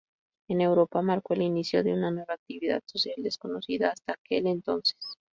En Europa marcó el inicio de una nueva actividad social desconocida hasta aquel entonces.